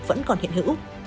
vẫn còn hiện hữu